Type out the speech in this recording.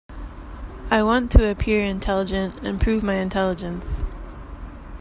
I want to appear intelligent and prove my intelligence.